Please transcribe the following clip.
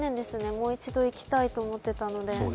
もう一度行きたいと思っていたので。